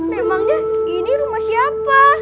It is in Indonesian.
memangnya ini rumah siapa